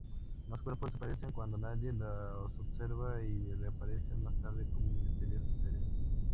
Más cuerpos desaparecen cuando nadie los observa y reaparecen más tarde como misteriosos seres.